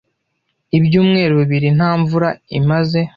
Ibyumweru bibiri nta mvura imaze.